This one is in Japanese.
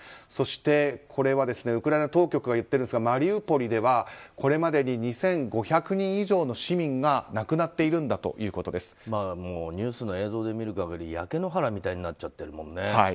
そしてこれはウクライナ当局がいってるんですがマリウポリでは、これまでに２５００人以上の市民が亡くなっているんだニュースの映像で見る限り焼け野原みたいになっちゃってるもんね。